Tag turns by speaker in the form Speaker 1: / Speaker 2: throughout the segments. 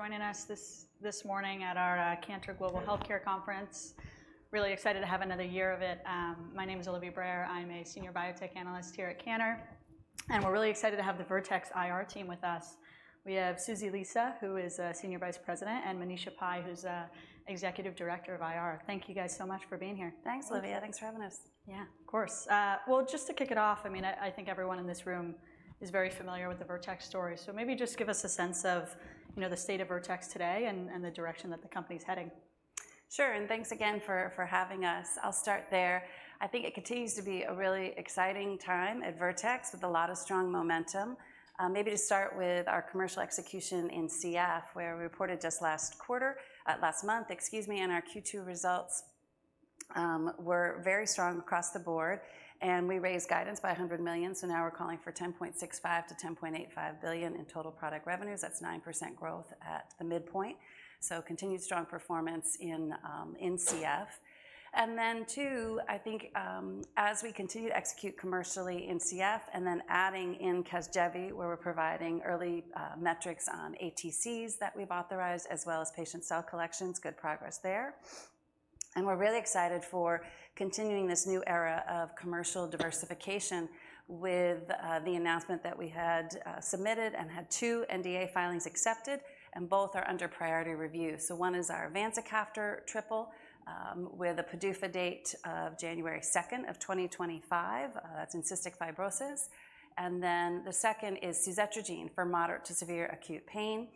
Speaker 1: Joining us this morning at our Cantor Global Healthcare Conference. Really excited to have another year of it. My name is Olivia Brayer. I'm a senior biotech analyst here at Cantor, and we're really excited to have the Vertex IR team with us. We have Susie Lisa, who is a senior vice president, and Manisha Pai, who's a executive director of IR. Thank you guys so much for being here.
Speaker 2: Thanks, Olivia. Thanks for having us. Yeah.
Speaker 1: Of course. Well, just to kick it off, I mean, I think everyone in this room is very familiar with the Vertex story, so maybe just give us a sense of, you know, the state of Vertex today and the direction that the company's heading.
Speaker 2: Sure, and thanks again for, for having us. I'll start there. I think it continues to be a really exciting time at Vertex, with a lot of strong momentum. Maybe to start with our commercial execution in CF, where we reported just last month, and our Q2 results were very strong across the board, and we raised guidance by $100 million, so now we're calling for $10.65-$10.85 billion in total product revenues. That's 9% growth at the midpoint, so continued strong performance in CF. And then, too, I think, as we continue to execute commercially in CF and then adding in Casgevy, where we're providing early metrics on ATCs that we've authorized as well as patient cell collections, good progress there. And we're really excited for continuing this new era of commercial diversification with the announcement that we had submitted and had two NDA filings accepted, and both are under priority review. So one is our vanzacaftor triple with a PDUFA date of January second of 2025. That's in cystic fibrosis. And then the second is suzetrigine for moderate to severe acute pain,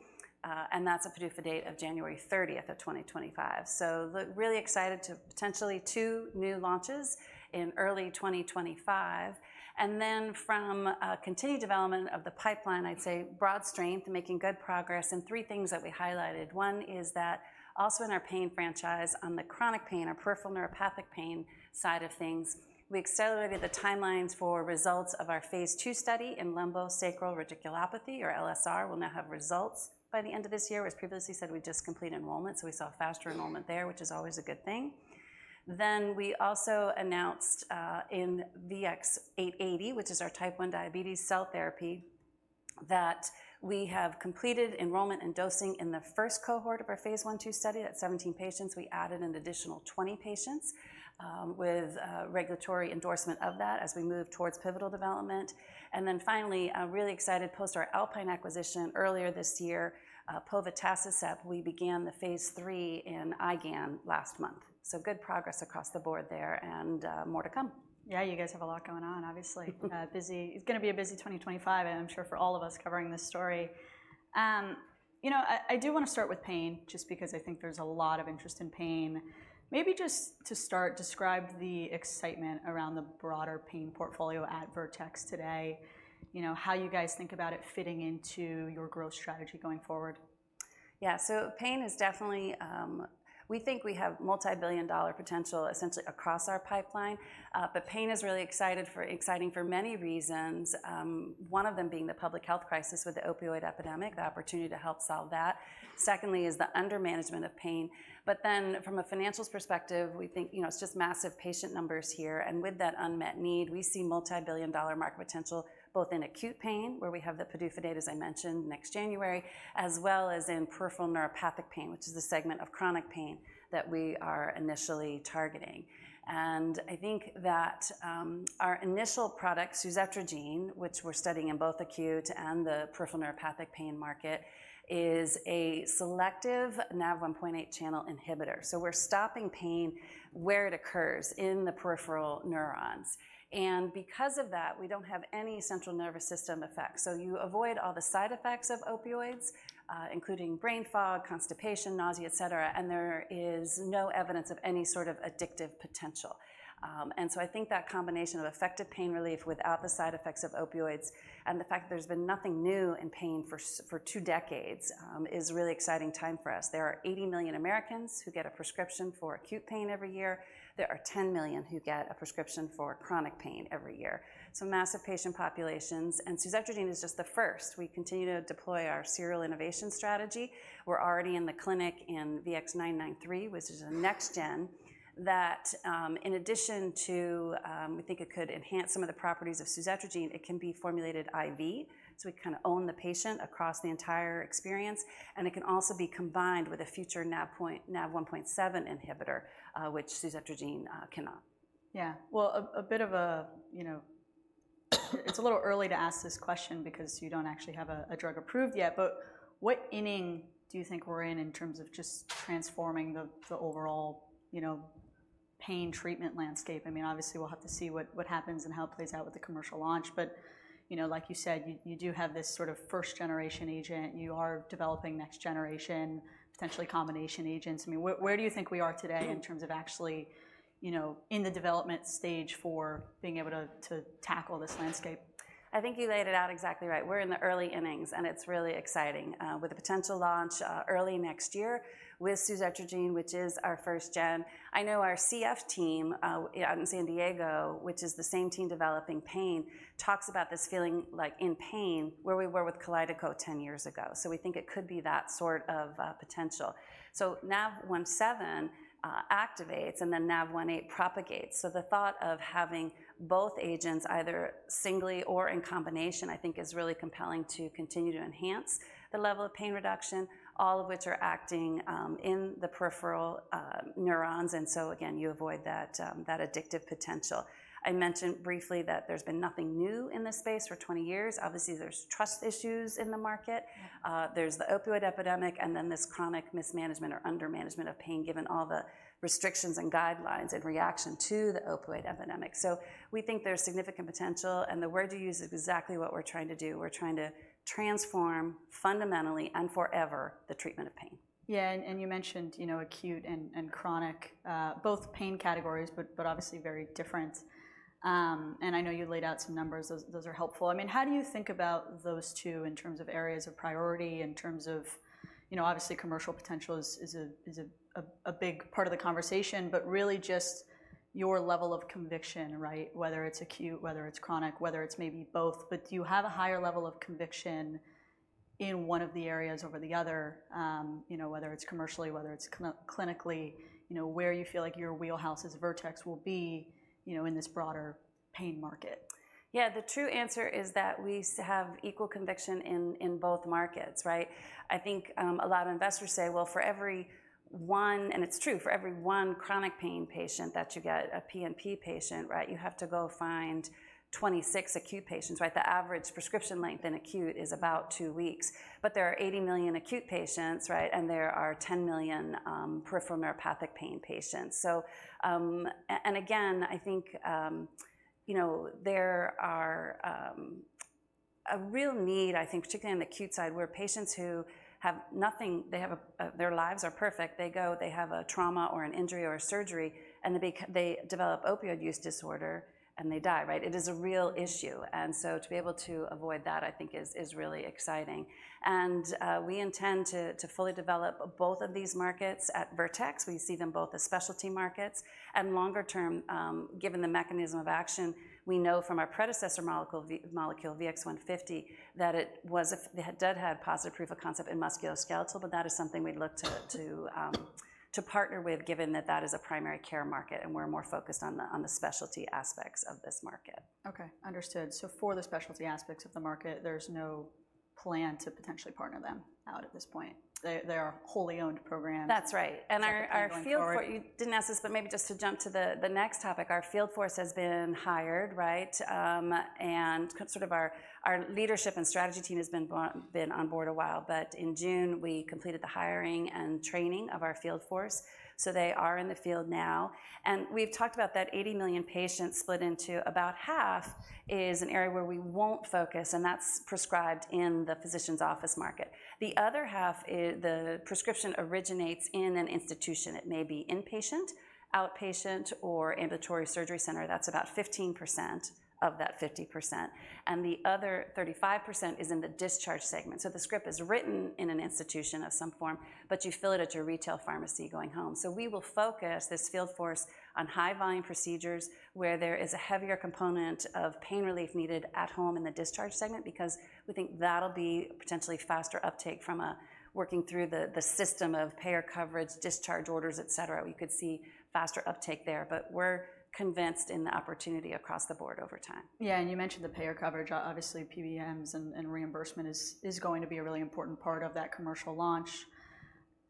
Speaker 2: and that's a PDUFA date of January thirtieth of 2025. So look, really excited to potentially two new launches in early 2025. And then from continued development of the pipeline, I'd say broad strength, making good progress, and three things that we highlighted: One is that also in our pain franchise on the chronic pain or peripheral neuropathic pain side of things, we accelerated the timelines for results of our phase II study in lumbosacral radiculopathy, or LSR. We'll now have results by the end of this year, which previously said we'd just complete enrollment, so we saw faster enrollment there, which is always a good thing. Then we also announced in VX-880, which is our Type 1 diabetes cell therapy, that we have completed enrollment and dosing in the first cohort of our phase I/II study. That's 17 patients. We added an additional 20 patients with regulatory endorsement of that as we move towards pivotal development. And then finally really excited, post our Alpine acquisition earlier this year, povetacicept, we began the phase III in IgAN last month. So good progress across the board there and more to come.
Speaker 1: Yeah, you guys have a lot going on, obviously. Busy... It's gonna be a busy 2025, and I'm sure for all of us covering this story. You know, I do wanna start with pain, just because I think there's a lot of interest in pain. Maybe just to start, describe the excitement around the broader pain portfolio at Vertex today. You know, how you guys think about it fitting into your growth strategy going forward.
Speaker 2: Yeah. So pain is definitely... We think we have multi-billion dollar potential essentially across our pipeline, but pain is really exciting for many reasons, one of them being the public health crisis with the opioid epidemic, the opportunity to help solve that. Secondly, is the undermanagement of pain. But then, from a financials perspective, we think, you know, it's just massive patient numbers here, and with that unmet need, we see multi-billion dollar market potential, both in acute pain, where we have the PDUFA date, as I mentioned, next January, as well as in peripheral neuropathic pain, which is a segment of chronic pain that we are initially targeting. And I think that, our initial product, suzetrigine, which we're studying in both acute and the peripheral neuropathic pain market, is a selective NaV1.8 channel inhibitor. So we're stopping pain where it occurs in the peripheral neurons, and because of that, we don't have any central nervous system effects. So you avoid all the side effects of opioids, including brain fog, constipation, nausea, et cetera, and there is no evidence of any sort of addictive potential. And so I think that combination of effective pain relief without the side effects of opioids and the fact there's been nothing new in pain for two decades is a really exciting time for us. There are eighty million Americans who get a prescription for acute pain every year. There are ten million who get a prescription for chronic pain every year, so massive patient populations, and suzetrigine is just the first. We continue to deploy our serial innovation strategy. We're already in the clinic in VX-993, which is a next-gen, in addition to we think it could enhance some of the properties of suzetrigine, it can be formulated IV, so we kind of own the pain across the entire experience, and it can also be combined with a future NaV1.7 inhibitor, which suzetrigine cannot.
Speaker 1: Yeah. Well, a bit of a, you know, it's a little early to ask this question because you don't actually have a drug approved yet, but what inning do you think we're in in terms of just transforming the overall, you know, pain treatment landscape? I mean, obviously, we'll have to see what happens and how it plays out with the commercial launch, but, you know, like you said, you do have this sort of first-generation agent. You are developing next generation-... potentially combination agents? I mean, where do you think we are today in terms of actually, you know, in the development stage for being able to tackle this landscape?
Speaker 2: I think you laid it out exactly right. We're in the early innings, and it's really exciting. With a potential launch early next year with suzetrigine, which is our first gen. I know our CF team out in San Diego, which is the same team developing pain, talks about this feeling like in pain, where we were with Kalydeco ten years ago. So we think it could be that sort of potential. So NaV1.7 activates, and then NaV1.8 propagates. So the thought of having both agents, either singly or in combination, I think is really compelling to continue to enhance the level of pain reduction, all of which are acting in the peripheral neurons, and so again, you avoid that addictive potential. I mentioned briefly that there's been nothing new in this space for twenty years. Obviously, there's trust issues in the market.
Speaker 1: Mm-hmm.
Speaker 2: There's the opioid epidemic, and then this chronic mismanagement or under management of pain, given all the restrictions and guidelines in reaction to the opioid epidemic. So we think there's significant potential, and the word you used is exactly what we're trying to do. We're trying to transform fundamentally and forever the treatment of pain.
Speaker 1: Yeah, and you mentioned, you know, acute and chronic both pain categories, but obviously very different. And I know you laid out some numbers. Those are helpful. I mean, how do you think about those two in terms of areas of priority, in terms of... You know, obviously, commercial potential is a big part of the conversation, but really just your level of conviction, right? Whether it's acute, whether it's chronic, whether it's maybe both, but do you have a higher level of conviction in one of the areas over the other? You know, whether it's commercially, whether it's clinically, you know, where you feel like your wheelhouse as Vertex will be, you know, in this broader pain market.
Speaker 2: Yeah, the true answer is that we have equal conviction in both markets, right? I think a lot of investors say, well, for every one... And it's true, for every one chronic pain patient that you get, a PnP patient, right, you have to go find twenty-six acute patients, right? The average prescription length in acute is about two weeks, but there are eighty million acute patients, right, and there are ten million peripheral neuropathic pain patients. So, and again, I think you know, there are a real need, I think, particularly on the acute side, where patients who have nothing, they have a... Their lives are perfect. They go, they have a trauma or an injury or a surgery, and they develop opioid use disorder, and they die, right? It is a real issue, and so to be able to avoid that, I think is really exciting. And we intend to fully develop both of these markets at Vertex. We see them both as specialty markets. And longer term, given the mechanism of action, we know from our predecessor molecule, VX- molecule, VX-150, that it did have positive proof of concept in musculoskeletal, but that is something we'd look to partner with, given that that is a primary care market, and we're more focused on the specialty aspects of this market.
Speaker 1: Okay, understood. So for the specialty aspects of the market, there's no plan to potentially partner them out at this point. They are wholly owned programs-
Speaker 2: That's right.
Speaker 1: As you're going forward.
Speaker 2: Our field force... You didn't ask this, but maybe just to jump to the next topic, our field force has been hired, right? And sort of our leadership and strategy team has been on board a while, but in June, we completed the hiring and training of our field force. So they are in the field now, and we've talked about that 80 million patients, split into about half, is an area where we won't focus, and that's prescribed in the physician's office market. The other half is, the prescription originates in an institution. It may be inpatient, outpatient, or ambulatory surgery center. That's about 15% of that 50%, and the other 35% is in the discharge segment. So the script is written in an institution of some form, but you fill it at your retail pharmacy going home. So we will focus this field force on high-volume procedures, where there is a heavier component of pain relief needed at home in the discharge segment because we think that'll be potentially faster uptake from a... working through the system of payer coverage, discharge orders, et cetera. We could see faster uptake there, but we're convinced in the opportunity across the board over time.
Speaker 1: Yeah, and you mentioned the payer coverage. Obviously, PBMs and reimbursement is going to be a really important part of that commercial launch.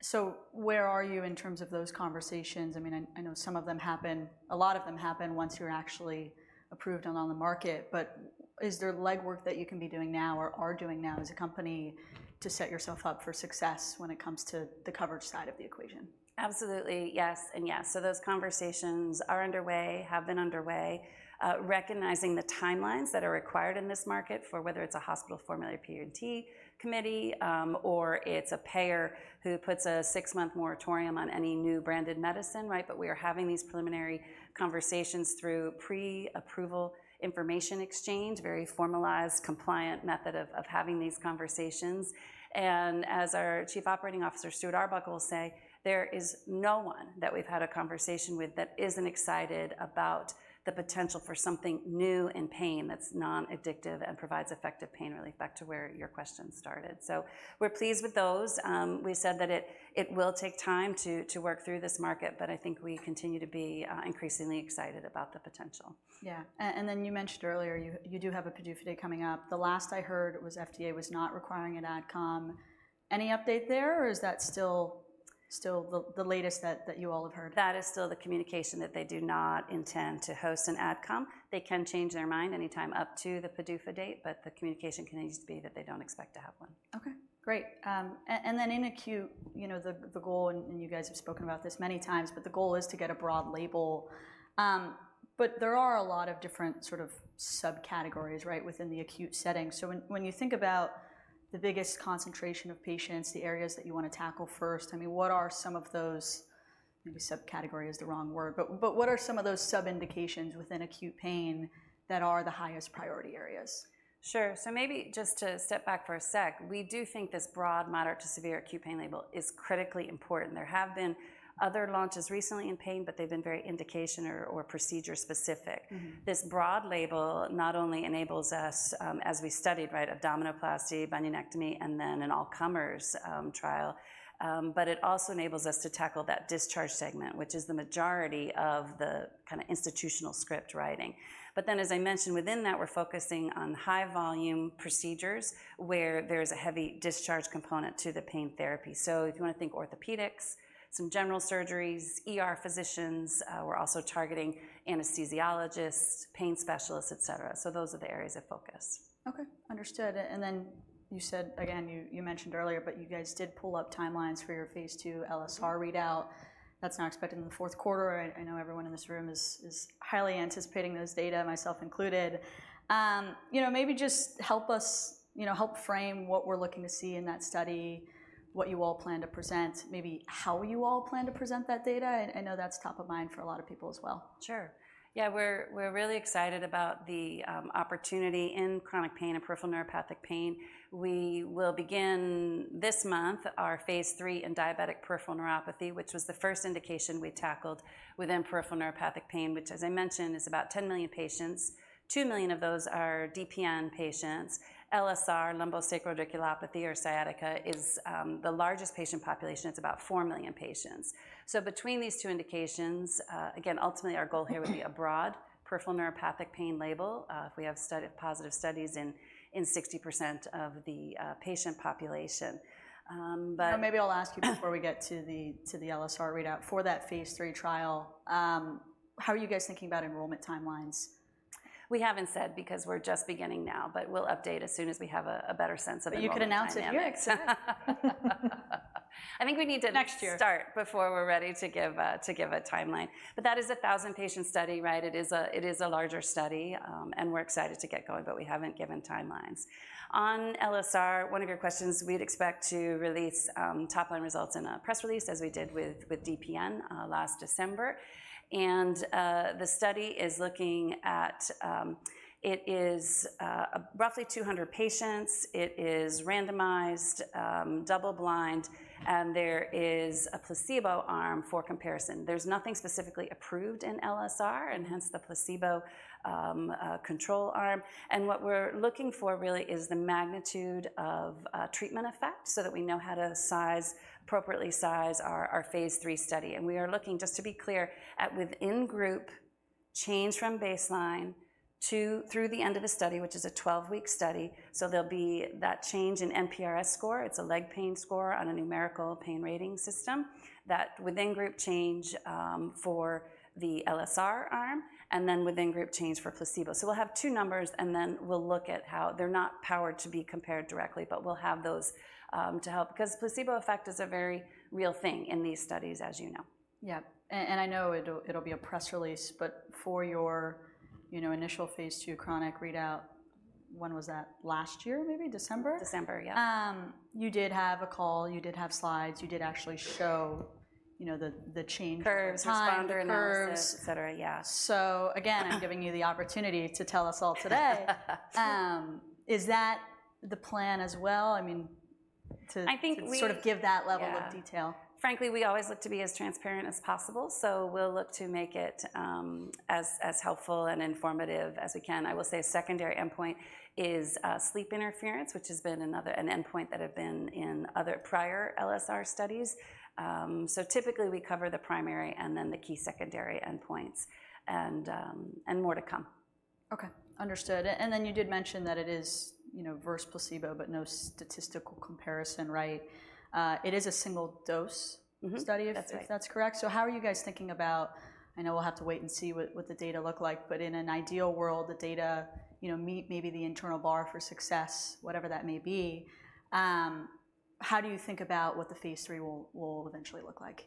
Speaker 1: So where are you in terms of those conversations? I mean, I know a lot of them happen once you're actually approved and on the market, but is there legwork that you can be doing now or are doing now as a company to set yourself up for success when it comes to the coverage side of the equation?
Speaker 2: Absolutely, yes and yes. So those conversations are underway, have been underway, recognizing the timelines that are required in this market for whether it's a hospital formulary P&T committee, or it's a payer who puts a six-month moratorium on any new branded medicine, right? But we are having these preliminary conversations through pre-approval information exchange, very formalized, compliant method of having these conversations. And as our Chief Operating Officer, Stuart Arbuckle, will say, "There is no one that we've had a conversation with that isn't excited about the potential for something new in pain that's non-addictive and provides effective pain relief," back to where your question started. So we're pleased with those. We said that it will take time to work through this market, but I think we continue to be increasingly excited about the potential.
Speaker 1: Yeah, and then you mentioned earlier, you do have a PDUFA date coming up. The last I heard was FDA was not requiring an AdCom. Any update there, or is that still the latest that you all have heard?
Speaker 2: That is still the communication, that they do not intend to host an AdCom. They can change their mind anytime up to the PDUFA date, but the communication continues to be that they don't expect to have one.
Speaker 1: Okay, great. And then in acute, you know, the goal, and you guys have spoken about this many times, but the goal is to get a broad label. But there are a lot of different sort of subcategories, right, within the acute setting. So when you think about the biggest concentration of patients, the areas that you want to tackle first, I mean, what are some of those? Maybe subcategory is the wrong word, but what are some of those sub-indications within acute pain that are the highest priority areas?
Speaker 2: Sure. So maybe just to step back for a sec, we do think this broad, moderate to severe acute pain label is critically important. There have been other launches recently in pain, but they've been very indication or, or procedure specific.
Speaker 1: Mm-hmm.
Speaker 2: This broad label not only enables us, as we studied, right, abdominoplasty, bunionectomy, and then an all-comers trial, but it also enables us to tackle that discharge segment, which is the majority of the kind of institutional script writing, but then, as I mentioned, within that, we're focusing on high volume procedures where there's a heavy discharge component to the pain therapy, so if you want to think orthopedics, some general surgeries, ER physicians, we're also targeting anesthesiologists, pain specialists, et cetera, so those are the areas of focus.
Speaker 1: Okay, understood, and then you said, again, you mentioned earlier, but you guys did pull up timelines for your phase II LSR readout. That's now expected in the fourth quarter. I know everyone in this room is highly anticipating those data, myself included. You know, maybe just help us, you know, help frame what we're looking to see in that study, what you all plan to present, maybe how you all plan to present that data. I know that's top of mind for a lot of people as well.
Speaker 2: Sure. Yeah, we're really excited about the opportunity in chronic pain and peripheral neuropathic pain. We will begin this month our phase 3 in diabetic peripheral neuropathy, which was the first indication we tackled within peripheral neuropathic pain, which, as I mentioned, is about 10 million patients. 2 million of those are DPN patients. LSR, lumbosacral radiculopathy or sciatica, is the largest patient population. It's about 4 million patients. So between these two indications, again, ultimately, our goal here would be a broad peripheral neuropathic pain label if we have positive studies in 60% of the patient population. But.
Speaker 1: Maybe I'll ask you before we get to the LSR readout. For that phase III trial, how are you guys thinking about enrollment timelines?
Speaker 2: We haven't said, because we're just beginning now, but we'll update as soon as we have a better sense of the enrollment dynamics.
Speaker 1: But you could announce it here.
Speaker 2: I think we need to-
Speaker 1: Next year...
Speaker 2: start before we're ready to give a timeline, but that is a thousand-patient study, right? It is a larger study, and we're excited to get going, but we haven't given timelines. On LSR, one of your questions, we'd expect to release top-line results in a press release, as we did with DPN last December, and the study is looking at... It is roughly two hundred patients. It is randomized, double-blind, and there is a placebo arm for comparison. There's nothing specifically approved in LSR, and hence the placebo control arm, and what we're looking for really is the magnitude of treatment effect so that we know how to size, appropriately size our phase III study. We are looking, just to be clear, at within-group change from baseline to through the end of the study, which is a twelve-week study. There'll be that change in NPRS score. It's a leg pain score on a numerical pain rating system, that within-group change, for the LSR arm, and then within-group change for placebo. We'll have two numbers, and then we'll look at how they're not powered to be compared directly, but we'll have those, to help, because placebo effect is a very real thing in these studies, as you know.
Speaker 1: Yeah. And I know it'll be a press release, but for your, you know, initial phase II chronic readout, when was that? Last year, maybe December?
Speaker 2: December, yeah.
Speaker 1: You did have a call, you did have slides, you did actually show, you know, the change-
Speaker 2: Curves.
Speaker 1: -time, curves.
Speaker 2: Responder analysis, et cetera. Yeah.
Speaker 1: So again, I'm giving you the opportunity to tell us all today.
Speaker 2: Um-
Speaker 1: Is that the plan as well? I mean, to-
Speaker 2: I think we-
Speaker 1: -to sort of give that level-
Speaker 2: Yeah...
Speaker 1: of detail.
Speaker 2: Frankly, we always look to be as transparent as possible, so we'll look to make it as helpful and informative as we can. I will say a secondary endpoint is sleep interference, which has been another endpoint that had been in other prior LSR studies. So typically, we cover the primary and then the key secondary endpoints, and more to come.
Speaker 1: Okay, understood. And then you did mention that it is, you know, versus placebo, but no statistical comparison, right? It is a single dose-
Speaker 2: Mm-hmm...
Speaker 1: study-
Speaker 2: That's right...
Speaker 1: if that's correct. So how are you guys thinking about... I know we'll have to wait and see what the data look like, but in an ideal world, the data, you know, meet maybe the internal bar for success, whatever that may be. How do you think about what the phase III will eventually look like?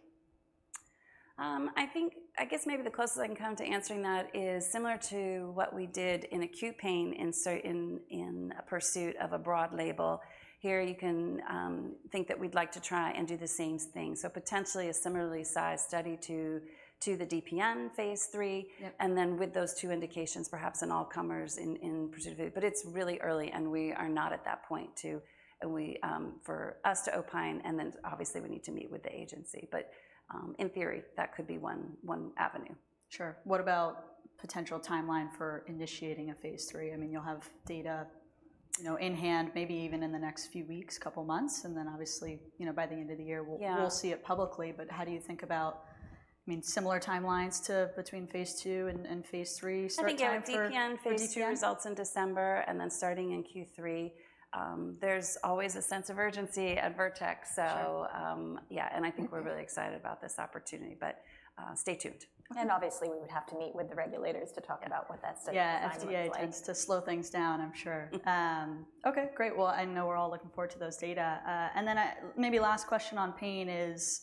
Speaker 2: I think, I guess maybe the closest I can come to answering that is similar to what we did in acute pain, in a pursuit of a broad label. Here, you can think that we'd like to try and do the same thing. So potentially a similarly sized study to the DPN phase III.
Speaker 1: Yep.
Speaker 2: And then with those two indications, perhaps an all-comers in particular. But it's really early, and we are not at that point for us to opine, and then obviously, we need to meet with the agency. But in theory, that could be one avenue.
Speaker 1: Sure. What about potential timeline for initiating a phase III? I mean, you'll have data, you know, in hand, maybe even in the next few weeks, couple months, and then obviously, you know, by the end of the year-
Speaker 2: Yeah
Speaker 1: We'll see it publicly. But how do you think about, I mean, similar timelines to between phase II and phase III start time for-
Speaker 2: I think, yeah, DPN Phase II-
Speaker 1: DPN
Speaker 2: - results in December, and then starting in Q3. There's always a sense of urgency at Vertex, so-
Speaker 1: Sure.
Speaker 2: Yeah, and I think we're really excited about this opportunity, but stay tuned.
Speaker 3: Obviously, we would have to meet with the regulators to talk about what that study timeline would look like.
Speaker 1: Yeah, FDA tends to slow things down, I'm sure. Okay, great. Well, I know we're all looking forward to those data. And then I... Maybe last question on pain is,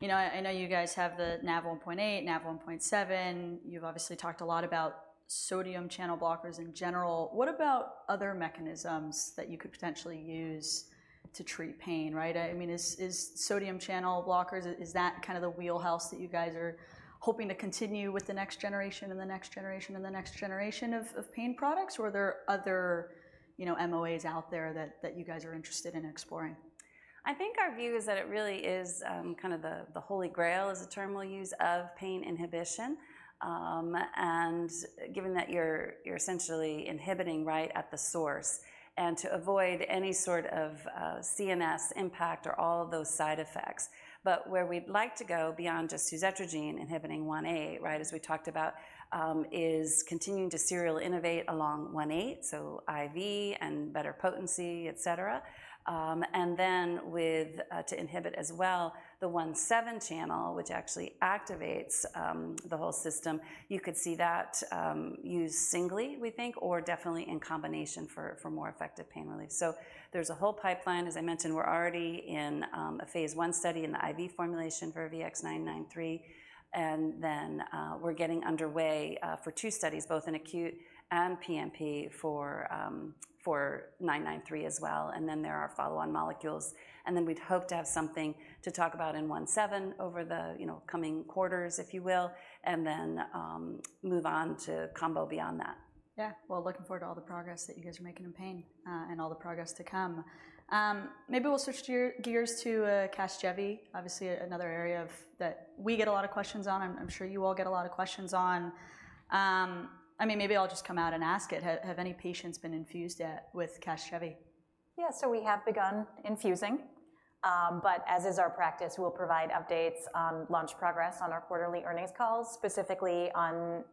Speaker 1: you know, I know you guys have the NaV1.8, NaV1.7. You've obviously talked a lot about sodium channel blockers in general. What about other mechanisms that you could potentially use to treat pain, right? I mean, is sodium channel blockers, is that kind of the wheelhouse that you guys are hoping to continue with the next generation, and the next generation, and the next generation of pain products? Or are there other, you know, MOAs out there that you guys are interested in exploring?
Speaker 2: I think our view is that it really is kind of the holy grail, is the term we'll use, of pain inhibition, and given that you're essentially inhibiting right at the source, and to avoid any sort of CNS impact or all of those side effects, but where we'd like to go beyond just suzetrigine inhibiting 1.8, right, as we talked about, is continuing to serial innovate along 1.8, so IV and better potency, et cetera, and then with to inhibit as well the 1.7 channel, which actually activates the whole system, you could see that used singly, we think, or definitely in combination for more effective pain relief, so there's a whole pipeline. As I mentioned, we're already in a phase I study in the IV formulation for VX-993, and then we're getting underway for two studies, both in acute and PnP for 993 as well, and then there are follow-on molecules, and then we'd hope to have something to talk about in NaV1.7 over the, you know, coming quarters, if you will, and then move on to combo beyond that.
Speaker 1: Yeah. Well, looking forward to all the progress that you guys are making in pain, and all the progress to come. Maybe we'll switch gears to Casgevy, obviously another area of... that we get a lot of questions on. I'm sure you all get a lot of questions on. I mean, maybe I'll just come out and ask it. Have any patients been infused with Casgevy?
Speaker 3: Yeah, so we have begun infusing. But as is our practice, we'll provide updates on launch progress on our quarterly earnings calls, specifically on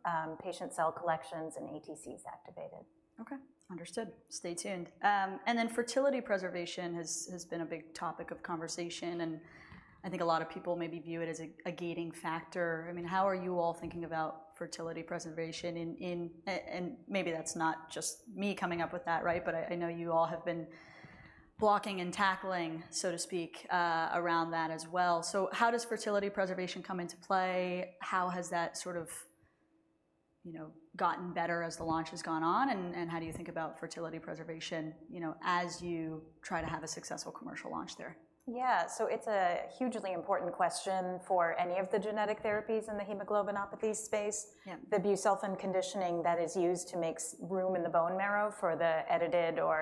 Speaker 3: patient cell collections and ATCs activated.
Speaker 1: Okay, understood. Stay tuned. And then fertility preservation has been a big topic of conversation, and I think a lot of people maybe view it as a gating factor. I mean, how are you all thinking about fertility preservation in and maybe that's not just me coming up with that, right? But I know you all have been blocking and tackling, so to speak, around that as well. So how does fertility preservation come into play? How has that sort of, you know, gotten better as the launch has gone on, and how do you think about fertility preservation, you know, as you try to have a successful commercial launch there?
Speaker 3: Yeah. So it's a hugely important question for any of the genetic therapies in the hemoglobinopathies space.
Speaker 1: Yeah.
Speaker 3: The busulfan conditioning that is used to make space in the bone marrow for the edited or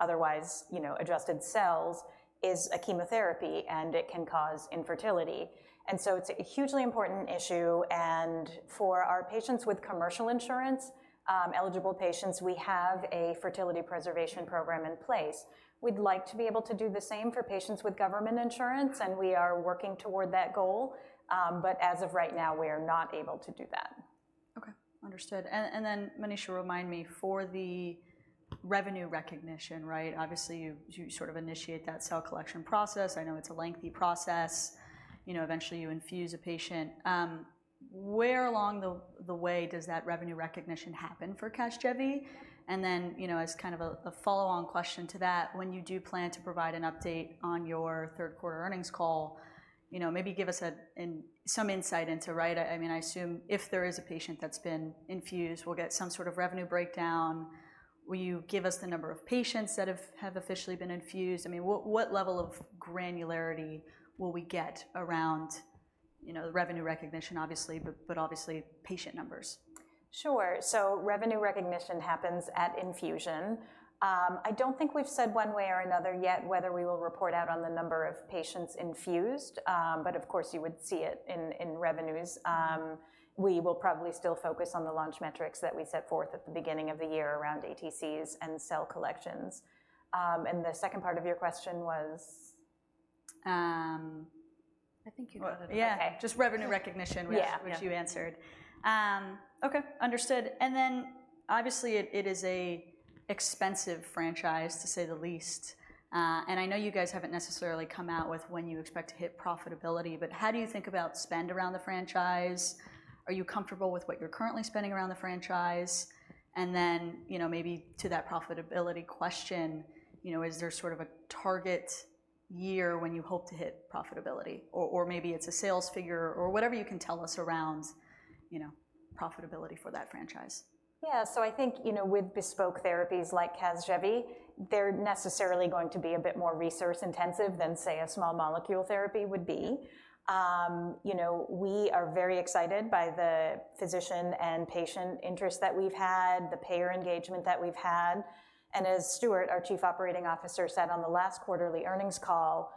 Speaker 3: otherwise, you know, adjusted cells, is a chemotherapy, and it can cause infertility, and so it's a hugely important issue. For our patients with commercial insurance, eligible patients, we have a fertility preservation program in place. We'd like to be able to do the same for patients with government insurance, and we are working toward that goal, but as of right now, we are not able to do that.
Speaker 1: Okay, understood. And then, Manisha, remind me, for the revenue recognition, right? Obviously, you sort of initiate that cell collection process. I know it's a lengthy process. You know, eventually, you infuse a patient. Where along the way does that revenue recognition happen for Casgevy? And then, you know, as kind of a follow-on question to that, when you do plan to provide an update on your third quarter earnings call, you know, maybe give us some insight into, right? I mean, I assume if there is a patient that's been infused, we'll get some sort of revenue breakdown. Will you give us the number of patients that have officially been infused? I mean, what level of granularity will we get around, you know, the revenue recognition, obviously, but obviously, patient numbers?
Speaker 3: Sure. So revenue recognition happens at infusion. I don't think we've said one way or another yet whether we will report out on the number of patients infused, but of course, you would see it in revenues. We will probably still focus on the launch metrics that we set forth at the beginning of the year around ATCs and cell collections. And the second part of your question was? I think you got it.
Speaker 1: Well, yeah.
Speaker 3: Okay.
Speaker 1: Just revenue recognition-
Speaker 3: Yeah...
Speaker 1: which you answered. Okay, understood. And then obviously, it is an expensive franchise, to say the least, and I know you guys haven't necessarily come out with when you expect to hit profitability, but how do you think about spend around the franchise? Are you comfortable with what you're currently spending around the franchise? And then, you know, maybe to that profitability question, you know, is there sort of a target year when you hope to hit profitability? Or maybe it's a sales figure, or whatever you can tell us around, you know, profitability for that franchise.
Speaker 3: Yeah. So I think, you know, with bespoke therapies like Casgevy, they're necessarily going to be a bit more resource intensive than, say, a small molecule therapy would be. You know, we are very excited by the physician and patient interest that we've had, the payer engagement that we've had. And as Stuart, our Chief Operating Officer, said on the last quarterly earnings call,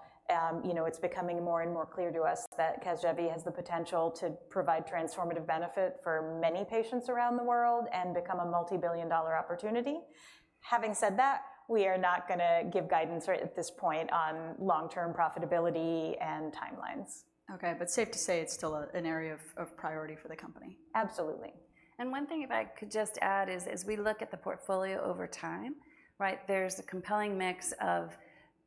Speaker 3: you know, it's becoming more and more clear to us that Casgevy has the potential to provide transformative benefit for many patients around the world and become a multi-billion dollar opportunity. Having said that, we are not gonna give guidance right at this point on long-term profitability and time-...
Speaker 1: Okay, but safe to say it's still an area of priority for the company?
Speaker 2: Absolutely. And one thing, if I could just add, is as we look at the portfolio over time, right? There's a compelling mix of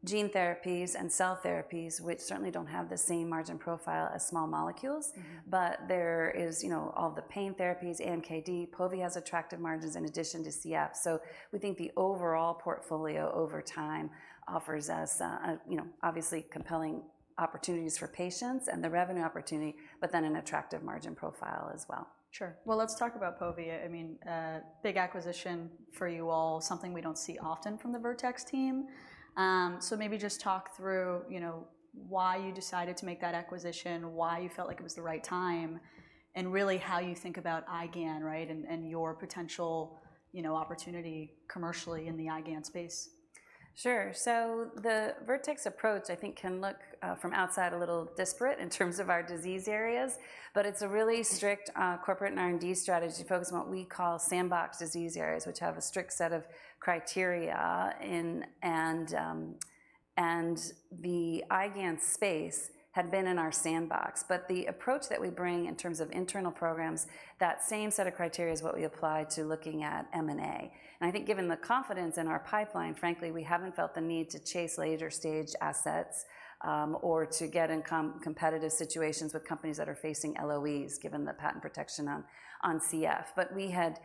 Speaker 2: gene therapies and cell therapies, which certainly don't have the same margin profile as small molecules.
Speaker 1: Mm-hmm.
Speaker 2: But there is, you know, all the pain therapies, AMKD. Povetacicept has attractive margins in addition to CF, so we think the overall portfolio over time offers us, you know, obviously compelling opportunities for patients and the revenue opportunity, but then an attractive margin profile as well.
Speaker 1: Sure. Well, let's talk about povetacicept. I mean, big acquisition for you all, something we don't see often from the Vertex team. So maybe just talk through, you know, why you decided to make that acquisition, why you felt like it was the right time, and really how you think about IgAN, right? And your potential, you know, opportunity commercially in the IgAN space.
Speaker 2: Sure. So the Vertex approach, I think, can look, from outside a little disparate in terms of our disease areas, but it's a really strict-
Speaker 1: Mm...
Speaker 2: corporate and R&D strategy to focus on what we call sandbox disease areas, which have a strict set of criteria. And the IgAN space had been in our sandbox. But the approach that we bring in terms of internal programs, that same set of criteria is what we apply to looking at M&A. And I think given the confidence in our pipeline, frankly, we haven't felt the need to chase later-stage assets, or to get in competitive situations with companies that are facing LOEs, given the patent protection on CF. But we had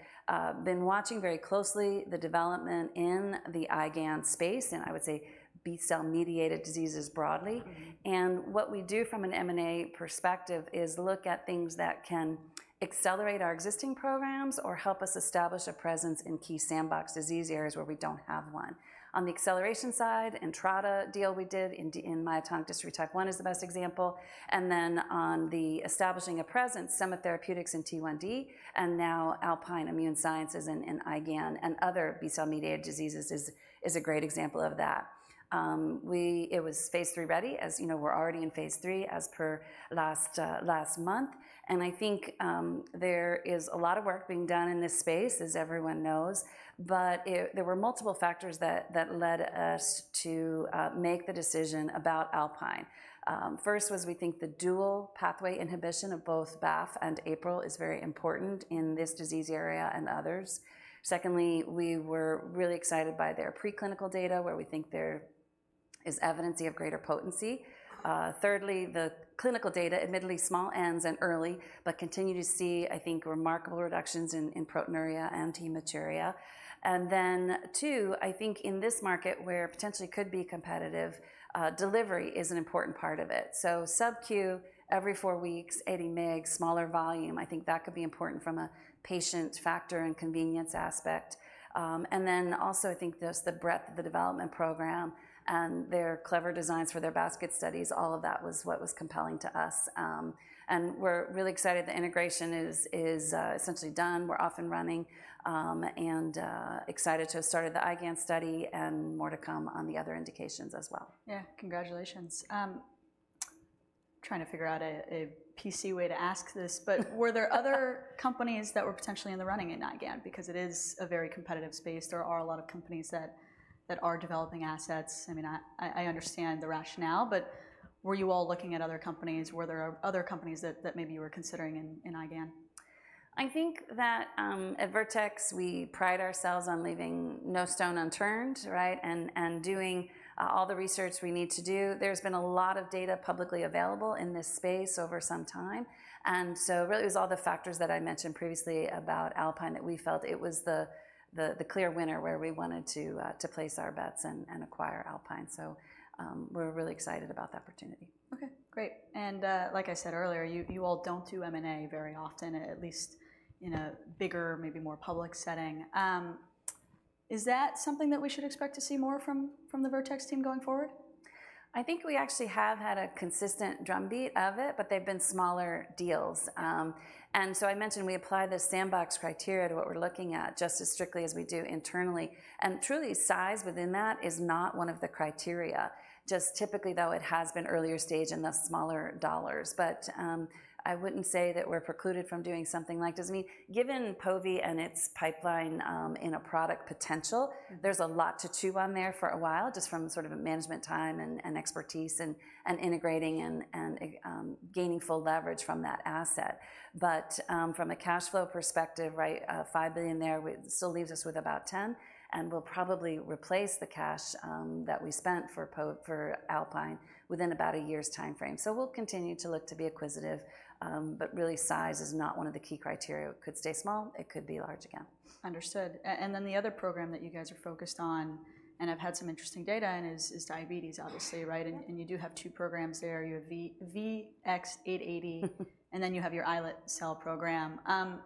Speaker 2: been watching very closely the development in the IgAN space, and I would say B-cell-mediated diseases broadly.
Speaker 1: Mm-hmm.
Speaker 2: What we do from an M&A perspective is look at things that can accelerate our existing programs or help us establish a presence in key sandbox disease areas where we don't have one. On the acceleration side, Entrada deal we did in myotonic dystrophy type 1 is the best example, and then on the establishing a presence, Semma Therapeutics in T1D, and now Alpine Immune Sciences in IgAN and other B-cell-mediated diseases is a great example of that. It was phase 3 ready. As you know, we're already in phase 3 as per last month, and I think there is a lot of work being done in this space, as everyone knows, but there were multiple factors that led us to make the decision about Alpine. First was we think the dual pathway inhibition of both BAFF and APRIL is very important in this disease area and others. Secondly, we were really excited by their preclinical data, where we think there is evidence of greater potency. Thirdly, the clinical data, admittedly small n's and early, but continue to see, I think, remarkable reductions in proteinuria and hematuria. And then, two, I think in this market where potentially could be competitive, delivery is an important part of it. So subcu every four weeks, 80 mg, smaller volume, I think that could be important from a patient factor and convenience aspect. And then also, I think just the breadth of the development program and their clever designs for their basket studies, all of that was what was compelling to us. And we're really excited the integration is essentially done. We're off and running, and excited to have started the IgAN study and more to come on the other indications as well.
Speaker 1: Yeah. Congratulations. Trying to figure out a PC way to ask this, but were there other companies that were potentially in the running in IgAN? Because it is a very competitive space. There are a lot of companies that are developing assets. I mean, I understand the rationale, but were you all looking at other companies? Were there other companies that maybe you were considering in IgAN?
Speaker 2: I think that, at Vertex, we pride ourselves on leaving no stone unturned, right? And doing all the research we need to do. There's been a lot of data publicly available in this space over some time, and so really, it was all the factors that I mentioned previously about Alpine, that we felt it was the clear winner, where we wanted to place our bets and acquire Alpine. So, we're really excited about the opportunity.
Speaker 1: Okay, great. And, like I said earlier, you, you all don't do M&A very often, at least in a bigger, maybe more public setting. Is that something that we should expect to see more from, from the Vertex team going forward?
Speaker 2: I think we actually have had a consistent drumbeat of it, but they've been smaller deals, and so I mentioned we apply the sandbox criteria to what we're looking at, just as strictly as we do internally, and truly, size within that is not one of the criteria. Just typically, though, it has been earlier stage and thus smaller dollars, but I wouldn't say that we're precluded from doing something like this. I mean, given povetacicept and its pipeline, and a product potential-
Speaker 1: Mm-hmm...
Speaker 2: there's a lot to chew on there for a while, just from sort of a management time and expertise and gaining full leverage from that asset. But from a cash flow perspective, $5 billion there still leaves us with about $10 billion, and we'll probably replace the cash that we spent for Alpine within about a year's timeframe. So we'll continue to look to be acquisitive, but really, size is not one of the key criteria. It could stay small, it could be large again.
Speaker 1: Understood. And then the other program that you guys are focused on, and have had some interesting data in, is diabetes, obviously, right?
Speaker 2: Mm-hmm.
Speaker 1: You do have two programs there. You have VX-880 and then you have your islet cell program.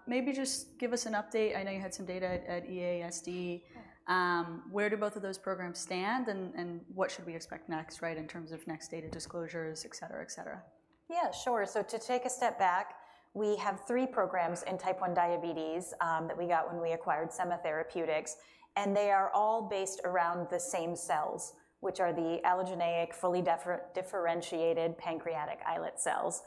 Speaker 1: Maybe just give us an update. I know you had some data at EASD.
Speaker 2: Yeah.
Speaker 1: Where do both of those programs stand, and what should we expect next, right, in terms of next data disclosures, et cetera, et cetera?
Speaker 2: Yeah, sure. So to take a step back, we have three programs in Type 1 diabetes that we got when we acquired Semma Therapeutics, and they are all based around the same cells, which are the allogeneic, fully differentiated pancreatic islet cells.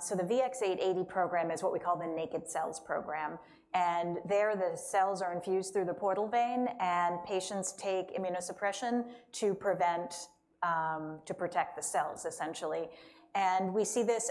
Speaker 2: So the VX-880 program is what we call the naked cells program, and there, the cells are infused through the portal vein, and patients take immunosuppression to prevent, to protect the cells, essentially. And we think there's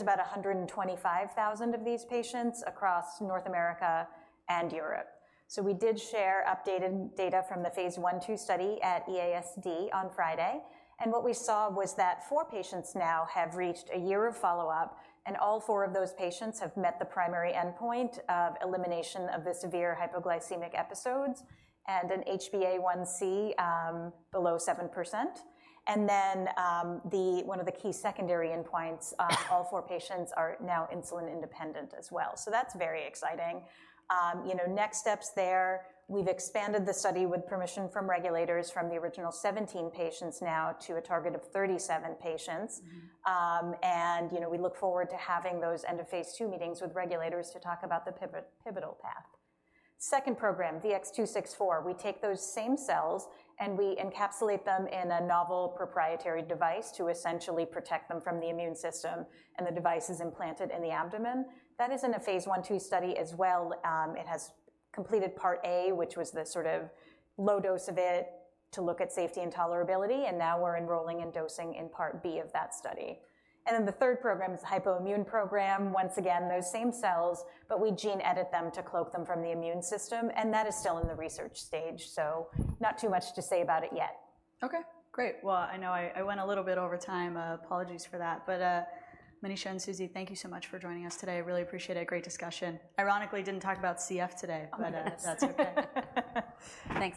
Speaker 2: about 125,000 of these patients across North America and Europe. We did share updated data from the phase 1/2 study at EASD on Friday, and what we saw was that four patients now have reached a year of follow-up, and all four of those patients have met the primary endpoint of elimination of the severe hypoglycemic episodes and an HbA1c below 7%, and then one of the key secondary endpoints, all four patients are now insulin independent as well, so that's very exciting. You know, next steps there, we've expanded the study with permission from regulators, from the original 17 patients now to a target of 37 patients.
Speaker 1: Mm-hmm.
Speaker 2: And, you know, we look forward to having those end-of-phase 2 meetings with regulators to talk about the pivotal path.
Speaker 3: Second program, VX-264. We take those same cells, and we encapsulate them in a novel proprietary device to essentially protect them from the immune system, and the device is implanted in the abdomen. That is in a phase I/II study as well. It has completed part A, which was the sort of low dose of it to look at safety and tolerability, and now we're enrolling and dosing in part B of that study. And then the third program is the hypoimmune program. Once again, those same cells, but we gene edit them to cloak them from the immune system, and that is still in the research stage, so not too much to say about it yet.
Speaker 1: Okay, great. Well, I know I went a little bit over time. Apologies for that. But, Manisha and Susie, thank you so much for joining us today. I really appreciate it. Great discussion. Ironically, didn't talk about CF today.
Speaker 3: Oh, yes.
Speaker 1: But, that's okay. Thanks.